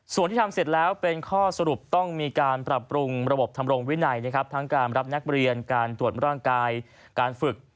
ส่วนที่ทำเสร็จแล้วเป็นข้อสรุปต้องมีการปรับปรุงระบบทำรงวินัยนะครับทั้งการรับนักเรียนการตรวจร่างกายการฝึก